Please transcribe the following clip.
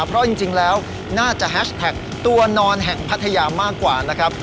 เพราะจริงแล้วน่าจะแฮชแท็กตัวนอนแห่งพัทยามากกว่านะครับ